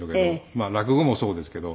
まあ落語もそうですけど。